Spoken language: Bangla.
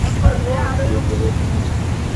শীঘ্রই সুস্থ হয়ে উঠো, তোমাকে মিস করছি!